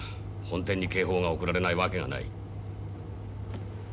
本店に警報が送られないわけがない。